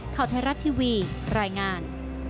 ข่าวไทยรัฐทีวีรายงาน